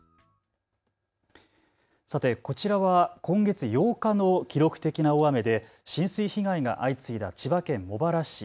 さてこちらは今月８日の記録的な大雨で浸水被害が相次いだ千葉県茂原市。